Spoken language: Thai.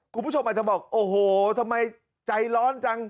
คุณผู้ชมอาจจะบอกโอ้โหทำไมใจร้อนจัง